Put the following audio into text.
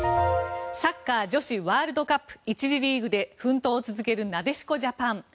サッカー女子ワールドカップ１次リーグで奮闘を続けるなでしこジャパン。